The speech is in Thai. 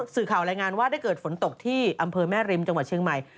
สื่อข่าวรายงานว่าได้เกิดฝนตกที่อำเภอแม่ริมจังหวัดเชียงใหม่